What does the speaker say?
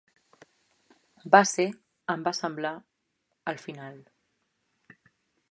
Va ser, em va semblar, el final.